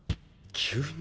急に？